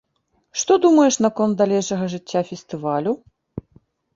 Што думаеш наконт далейшага жыцця фестывалю?